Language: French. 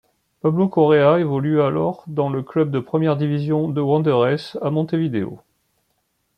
Pablo Correa évolue alors dans le club de première division de Wanderes à Montevideo.